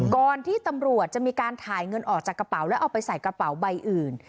ก่อนที่ตำรวจจะมีการถ่ายเงินออกจากกระเป๋าแล้วเอาไปใส่กระเป๋าใบอื่น